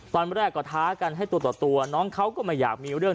ตอนแรกก็ท้ากันให้ตัวต่อตัวน้องเขาก็ไม่อยากมีเรื่อง